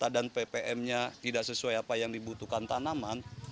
dan ppm nya tidak sesuai apa yang dibutuhkan tanaman